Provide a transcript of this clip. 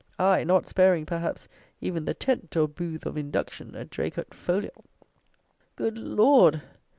Aye, not sparing, perhaps, even the tent, or booth of induction, at Draycot Foliot! Good Lord!